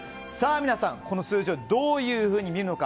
皆さん、この数字をどういうふうにみるのか。